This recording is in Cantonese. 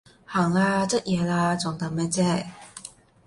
行啦，執嘢喇，仲等咩啫？